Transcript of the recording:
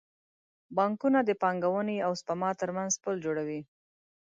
بانکونه د پانګونې او سپما ترمنځ پل جوړوي.